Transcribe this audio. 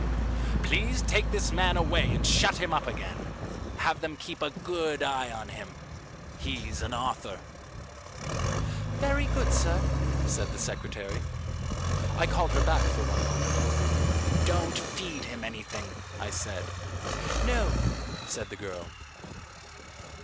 "Please take this man away and shut him up again. Have them keep a good eye on him. He's an author." "Very good, sir," said the secretary. I called her back for one moment. "Don't feed him anything," I said. "No," said the girl.